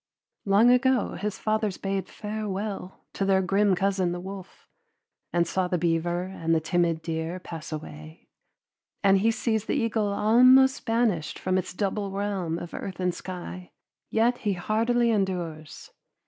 Long ago his fathers bade farewell to their grim cousin the wolf, and saw the beaver and the timid deer pass away, and he sees the eagle almost banished from its double realm of earth and sky, yet he hardily endures.